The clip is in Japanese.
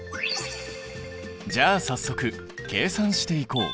じゃあ早速計算していこう。